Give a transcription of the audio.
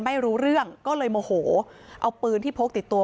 ไม่ตั้งใจครับ